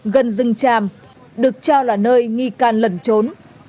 gần rừng tràm được cho là nơi nghi can lẩn trốn